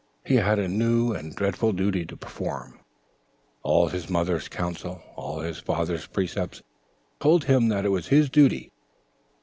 He had a new and dreadful duty to perform. All his mother's counsel, all his father's precepts told him that it was his duty.